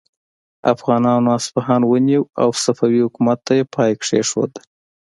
افغانانو اصفهان ونیو او صفوي حکومت ته یې پای کیښود.